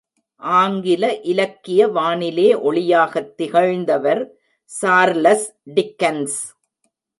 ஆங்கில இலக்கிய வானிலே ஒளியாகத் திகழ்ந்தவர் சார்லஸ் டிக்கன்ஸ்!